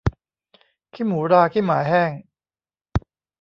ขี้หมูราขี้หมาแห้ง